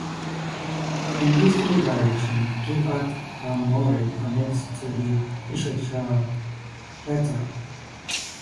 In easterly direction Giv'at ha-More connects to the Issachar Plateau.